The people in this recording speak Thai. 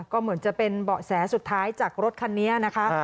ก็เหมือนจะเป็นเบาะแสสุดท้ายจากรถคันนี้นะคะ